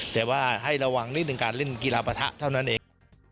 แต่ว่าให้ระวังนิดหนึ่งการเล่นกีฬาปะทะเท่านั้นเอง